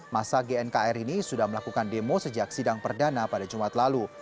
masa gnkr ini sudah melakukan demo sejak sidang perdana pada jumat lalu